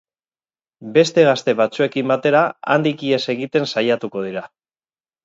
Beste gazte batzuekin batera, handik ihes egiten saiatuko dira.